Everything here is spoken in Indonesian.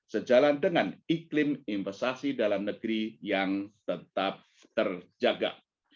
sejalan dengan iklim investasi dalam negeri yang tetap terjaga